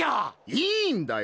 いいんだよ。